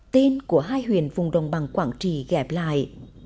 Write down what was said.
tên của hai huyện vùng đồng bằng quảng trì gẹp lại